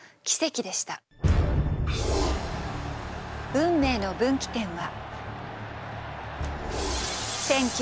運命の分岐点は。